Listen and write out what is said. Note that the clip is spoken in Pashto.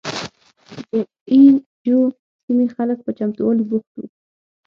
د اي جو سیمې خلک په چمتوالي بوخت وو.